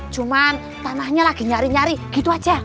cuman tanahnya lagi nyari nyari gitu aja